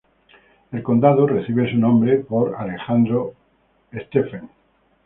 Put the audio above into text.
El condado recibe su nombre por Alexander Stephens.